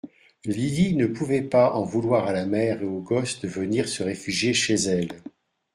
Lydie ne pouvait pas en vouloir à la mère et au gosse de venir se réfugier chez elle.